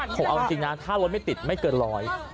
ผมเอาจริงนะถ้ารถไม่ติดไม่เกินร้อย